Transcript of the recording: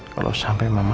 kalau sampai mama